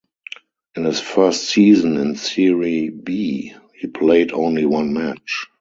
In his first season in Serie B, he played only one match.